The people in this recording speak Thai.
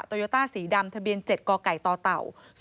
โยต้าสีดำทะเบียน๗กไก่ต่อเต่า